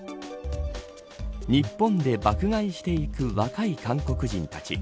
日本で爆買いしていく若い韓国人たち。